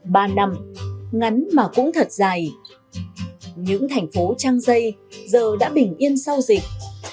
ba năm ngắn mà cũng thật dài những thành phố trang dây giờ đã bình yên sau dịch